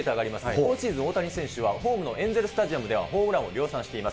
今シーズン、大谷選手はホームのエンゼルス・スタジアムでは、ホームランを量産しています。